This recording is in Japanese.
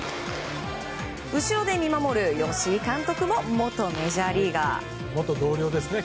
後ろで見守る吉井監督も元メジャーリーガー。